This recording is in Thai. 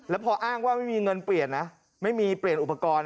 แล้วพออ้างว่าไม่มีเงินเปลี่ยนนะไม่มีเปลี่ยนอุปกรณ์